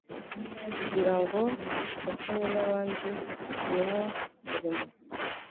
kugira ngo afatanye n'abandi nwo murimo.